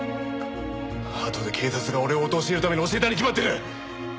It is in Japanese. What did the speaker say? あとで警察が俺を陥れるために教えたに決まってる！